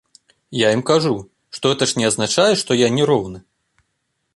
Я ім кажу, што гэта ж не азначае што я не роўны!